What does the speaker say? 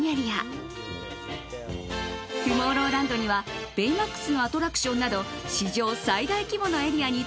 トゥモローランドにはベイマックスのアトラクションなど史上最大規模のエリアに